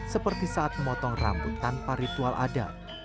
seperti saat memotong rambut tanpa ritual adat